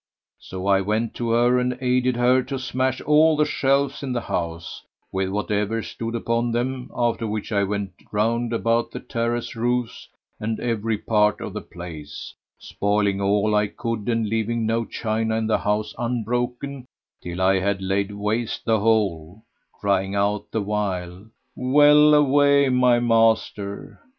So I went to her and aided her to smash all the shelves in the house with whatever stood upon them, after which I went round about the terrace roofs and every part of the place, spoiling all I could and leaving no china in the house unbroken till I had laid waste the whole, crying out the while "Well away! my master!"